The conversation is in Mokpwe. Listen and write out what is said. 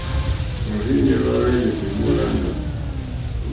Òrzìɲɛ́ hwá hwɛ́lɛ̀ èmólánà.